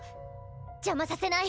邪魔させない！